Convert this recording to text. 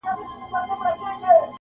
ګرځمه د ښار د جوماتونو په دېرو